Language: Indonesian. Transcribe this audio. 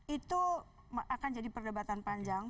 itu akan jadi perdebatan panjang